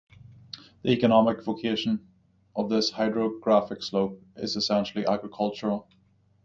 The economic vocation of this hydrographic slope is essentially agricultural.